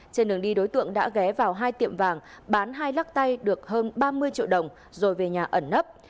trên đường đi đối tượng đã ghé vào hai tiệm vàng bán hai lắc tay được hơn ba mươi triệu đồng rồi về nhà ẩn nấp